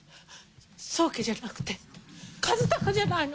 宗家じゃなくて和鷹じゃないの！